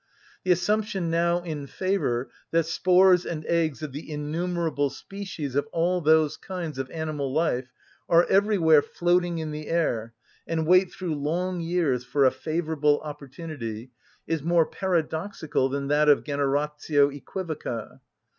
The assumption now in favour that spores and eggs of the innumerable species of all those kinds of animal life are everywhere floating in the air, and wait through long years for a favourable opportunity, is more paradoxical than that of generatio œquivoca.